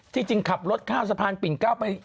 จริงขับรถข้ามสะพานปิ่นเก้าไป